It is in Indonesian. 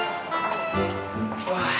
kita masuk sekarang